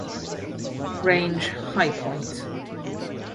Range Highpoint